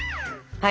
はい。